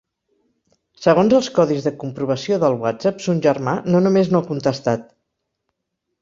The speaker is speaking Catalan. Segons els codis de comprovació del whatsapp son germà no només no ha contestat.